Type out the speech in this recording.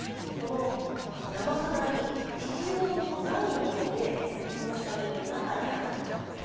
この「生さだ」に必要のないものでこのスタジオの中にあるもの。